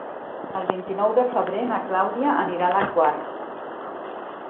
El vint-i-nou de febrer na Clàudia anirà a la Quar.